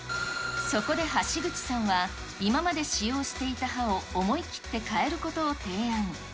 そこで橋口さんは、今まで使用していた刃を思い切って変えることを提案。